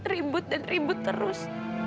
ribut dan ribut terus